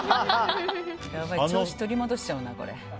調子、取り戻しちゃうな。